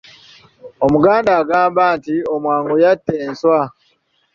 Omuganda agamba nti, “Omwangu yatta enswa.”